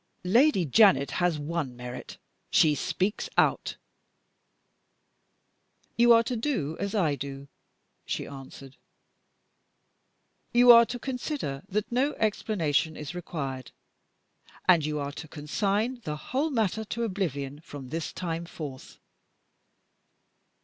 Lady Janet has one merit she speaks out. 'You are to do as I do,' she answered. 'You are to consider that no explanation is required, and you are to consign the whole matter to oblivion from this time forth.